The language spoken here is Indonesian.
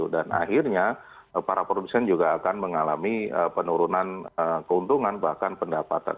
dan akhirnya para produsen juga akan mengalami penurunan keuntungan bahkan pendapatan